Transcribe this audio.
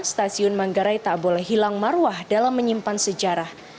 stasiun manggarai tak boleh hilang marwah dalam menyimpan sejarah